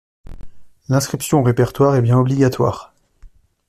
L’inscription au répertoire est bien obligatoire.